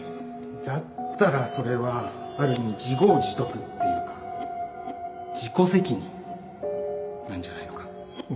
だったらそれはある意味自業自得っていうか自己責任なんじゃないのか？